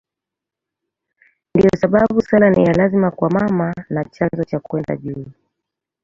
Ndiyo sababu sala ni ya lazima kama mama na chanzo cha kwenda juu.